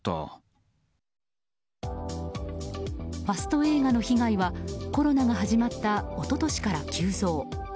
ファスト映画の被害はコロナが始まった一昨年から急増。